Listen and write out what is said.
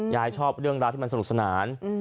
ยายชอบเรื่องราวที่มันสนุกสนาน